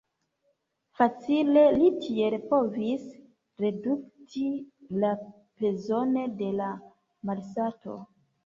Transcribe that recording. Facile li tiel povis redukti la pezon de la malsato.